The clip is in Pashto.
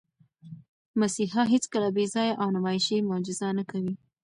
مسیحا هیڅکله بېځایه او نمایشي معجزه نه کوي.